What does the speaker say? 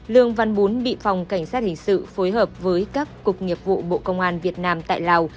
lương văn bún bị phòng cảnh sát hình sự phối hợp với các cục nghiệp vụ bộ công an việt nam tại lào